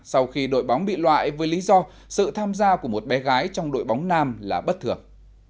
sau khi đội bóng bị loại với lý do sự tham gia của một bé gái trong đội bóng nam là bất thường